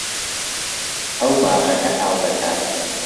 ئەو باخەکە ئاو دەکات.